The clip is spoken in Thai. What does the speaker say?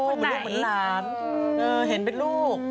เห็นเป็นลูก